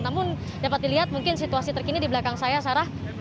namun dapat dilihat mungkin situasi terkini di belakang saya sarah